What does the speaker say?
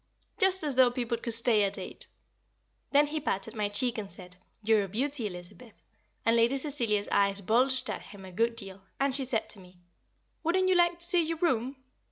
Just as though people could stay at eight! Then he patted my cheek, and said, "You're a beauty, Elizabeth," and Lady Cecilia's eyes bulged at him a good deal, and she said to me, "Wouldn't you like to see your room?"